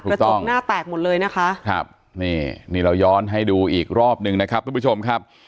กระจกหน้าแตกหมดเลยนะคะครับนี่นี่เราย้อนให้ดูอีกรอบหนึ่งนะครับทุกผู้ชมครับ